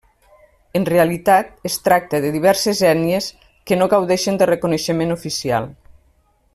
En realitat, es tracta de diverses ètnies que no gaudeixen de reconeixement oficial.